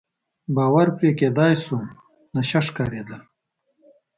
باور پرې کېدای شو، نشه ښکارېدل.